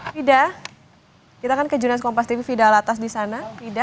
fida kita akan ke jurnalist kompas tv fida alatas di sana